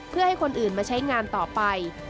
เพื่อให้คนอื่นมาใช้งานต่อไป